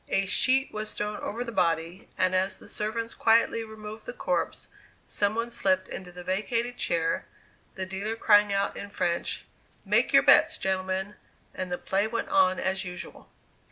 A sheet was thrown over the body, and as the servants quietly removed the corpse, some one slipped into the vacated chair, the dealer crying out in French, "make your bets, gentlemen," and the play went on as usual.